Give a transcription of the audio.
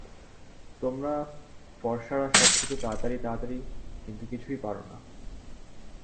তোমরা ফর্সারা সবকিছু তাড়াতাড়ি, তাড়াতাড়ি কিন্তু কিছুই পার না।